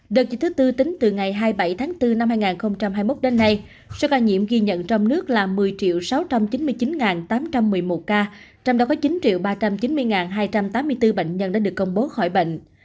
đợt dịch thứ tư tính từ ngày hai mươi bảy tháng bốn năm hai nghìn hai mươi một đến nay số ca nhiễm ghi nhận trong nước là một mươi sáu trăm chín mươi chín tám trăm một mươi một ca trong đó có chín ba trăm chín mươi hai trăm tám mươi bốn bệnh nhân đã được công bố khỏi bệnh